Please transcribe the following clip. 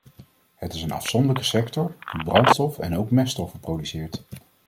Het is een afzonderlijke sector, die brandstof en ook meststoffen produceert.